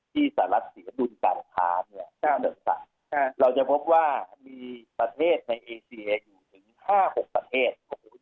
สหรัฐเสียดุลการค้า๙๓เราจะพบว่ามีประเทศในเอเซียอยู่ถึง๕๖ประเทศ